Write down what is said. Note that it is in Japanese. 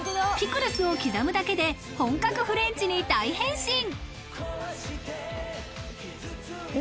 ピクルスを刻むだけで本格フレンチに大変身！